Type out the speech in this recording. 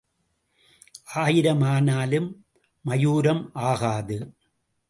ஆயிரம் ஆனாலும் மாயூரம் ஆகாது.